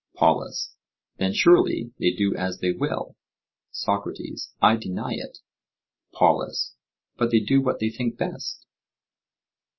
POLUS: Then surely they do as they will? SOCRATES: I deny it. POLUS: But they do what they think best?